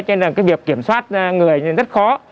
cho nên là cái việc kiểm soát người thì rất khó